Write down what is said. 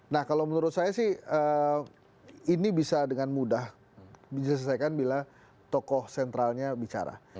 nah kalau menurut saya sih ini bisa dengan mudah diselesaikan bila tokoh sentralnya bicara